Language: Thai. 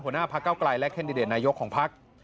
หัวหน้าพระเก้าไกรและแคนดิเดินนายกของพรรค